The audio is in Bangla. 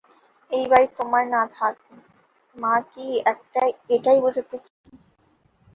এই বাড়ি তোমার না থাক, মা কী এটাই বুঝাতে চায়?